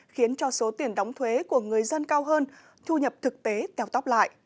khiến cho số tiền đóng thuế của người dân cao hơn thu nhập thực tế tèo tóc lại